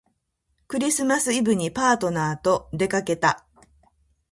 クリスマスイブにパートナーとでかけた